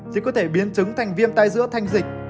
thì có thể biến trứng thành viêm tai dữa thanh dịch